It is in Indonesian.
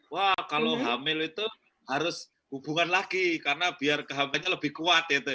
wah kalau hamil itu harus hubungan lagi karena biar ke hamilnya lebih kuat